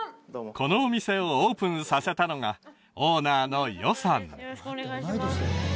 このお店をオープンさせたのがオーナーの余さん